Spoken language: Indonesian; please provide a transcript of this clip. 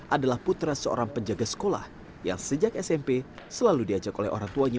adalah putra seorang penjaga sekolah yang sejak smp selalu diajak oleh orang tuanya